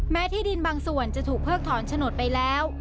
ที่ดินบางส่วนจะถูกเพิกถอนโฉนดไปแล้ว